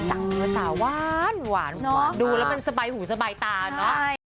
จังที่ว่าสาว้านหวานหวานดูแล้วมันสบายหูสบายตาเนอะ